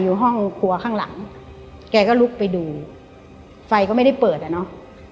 อยู่ห้องครัวข้างหลังแกก็ลุกไปดูไฟก็ไม่ได้เปิดอ่ะเนอะ